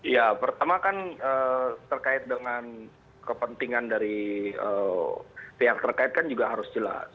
ya pertama kan terkait dengan kepentingan dari pihak terkait kan juga harus jelas